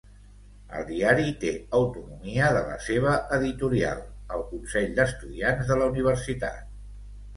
El diari té autonomia de la seva editorial, el Consell d'Estudiants de la Universitat.